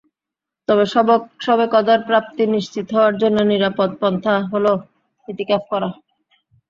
তবে শবে কদর প্রাপ্তি নিশ্চিত হওয়ার জন্য নিরাপদ পন্থা হলো ইতিকাফ করা।